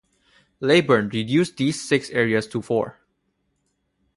Leyburn reduced these six areas to four.